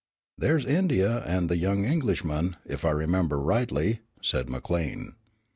"There's India and the young Englishmen, if I remember rightly," said McLean.